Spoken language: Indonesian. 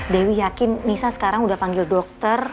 dewi yakin nisa sekarang udah panggil dokter